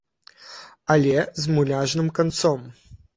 Але з муляжным канцом.